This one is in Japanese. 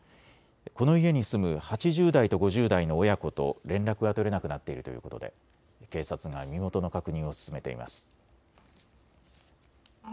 この家に住む８０代と５０代の親子と連絡が取れなくなっているということで警察が身元の確認を進めています。